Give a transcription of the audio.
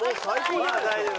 まだ大丈夫。